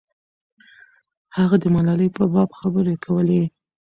هغه د ملالۍ په باب خبرې کولې.